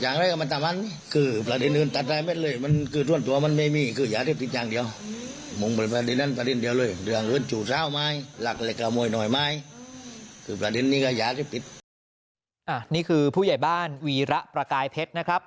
นี่คือผู้ใหญ่บ้านวีระประกายเพชรนะครับ